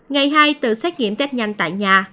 ngày hai tự xét nghiệm test nhanh tại nhà